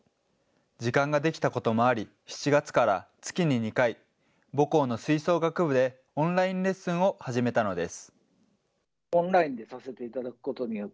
時間ができたこともあり、７月から月に２回、母校の吹奏楽部でオンラインレッスンを始めたのです。